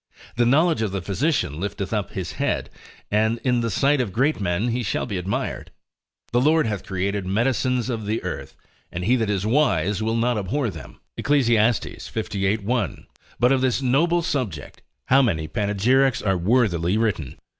The knowledge of the physician lifteth up his head, and in the sight of great men he shall be admired. The Lord hath created medicines of the earth, and he that is wise will not abhor them, Eccles. lviii 1. But of this noble subject, how many panegyrics are worthily written?